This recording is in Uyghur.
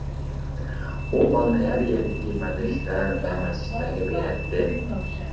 ئۇ مالنى ھەر يەردىكى مەدرىسەلەر ۋە مەسچىتلەرگە بېرەتتى.